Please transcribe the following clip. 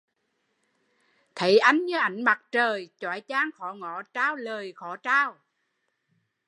Thấy anh như ánh mặt trời, chói chang khó ngó, trao lời khó trao